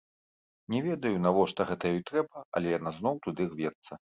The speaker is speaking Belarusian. Не ведаю, навошта гэта ёй трэба, але яна зноў туды рвецца.